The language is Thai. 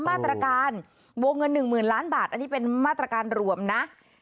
มาตรการวงเงิน๑๐๐๐ล้านบาทอันนี้เป็นมาตรการรวมนะ